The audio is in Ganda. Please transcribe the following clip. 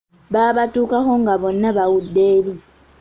Baabatuukako nga bonna baudde eri.